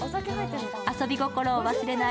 遊び心を忘れない